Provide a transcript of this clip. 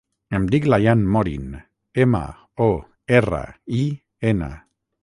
Em dic Layan Morin: ema, o, erra, i, ena.